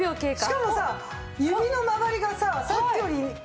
しかもさ指の回りがささっきより回りますね。